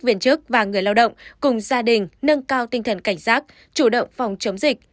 viên chức và người lao động cùng gia đình nâng cao tinh thần cảnh giác chủ động phòng chống dịch